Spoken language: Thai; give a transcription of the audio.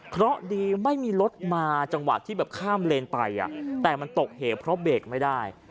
เพราะดีไม่มีรถมาจังหวะที่แบบข้ามเลนไปแต่มันตกเหวเพราะเบรกไม่ได้